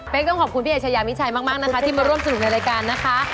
เป็นต้องขอบคุณพี่เอชายามิชัยมากนะคะที่มาร่วมสนุกในรายการนะคะ